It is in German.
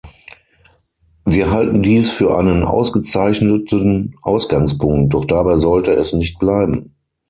Wir halten dies für einen ausgezeichneten Ausgangspunkt, doch dabei sollte es nicht bleiben.